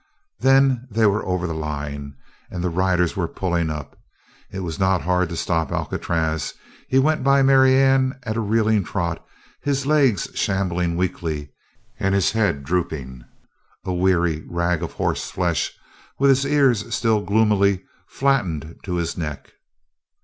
Then they were over the line and the riders were pulling up. It was not hard to stop Alcatraz. He went by Marianne at a reeling trot, his legs shambling weakly and his head drooping, a weary rag of horseflesh with his ears still gloomily flattened to his neck.